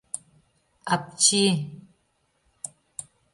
Апчи!..